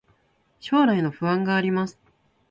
将来の不安があります